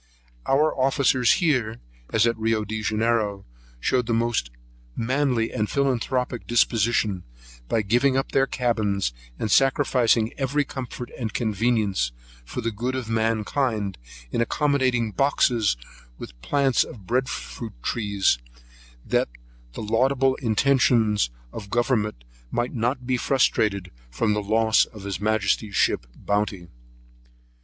Our officers here, as at Rio Janeiro, showed the most manly and philanthropic disposition, by giving up their cabins, and sacrificing every comfort and convenience for the good of mankind, in accommodating boxes with plants of the Bread fruit tree, that the laudable intentions of government might not be frustrated from the loss of his majesty's ship Bounty.